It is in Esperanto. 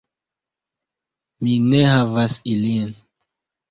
Mi ne havas ilin.